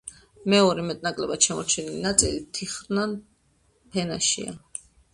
მეორე, მეტნაკლებად შემორჩენილი ნაწილი თიხნარ ფენაშია.